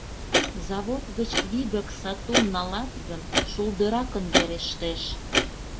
Завод гыч вигак сатум налат гын, шулдыракын верештеш.